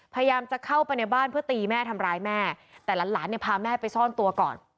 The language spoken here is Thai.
พยายามจะเข้าไปในบ้านเพื่อตีแม่ทำร้ายแม่แต่หลานเนี่ยพาแม่ไปซ่อนตัวก่อน